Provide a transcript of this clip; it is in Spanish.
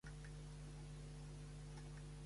Charles H. Drayton, hija, y la Sra.